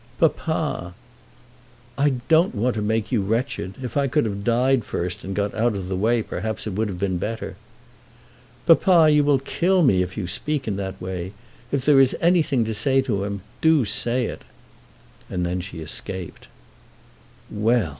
"Papa!" "I don't want to make you wretched. If I could have died first, and got out of the way, perhaps it would have been better." "Papa, you will kill me if you speak in that way! If there is anything to say to him, do you say it." And then she escaped. Well!